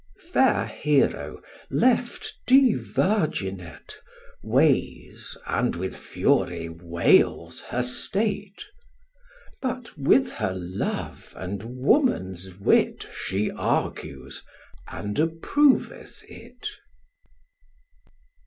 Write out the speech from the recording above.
Fair Hero, left devirginate, Weighs, and with fury wails her state: But with her love and woman's wit She argues and approveth it.